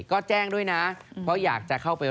ก็แจ้งด้วยนะเพราะอยากจะเข้าไป